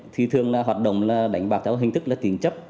thì thường là hoạt động là đánh bạc theo hình thức là tín chấp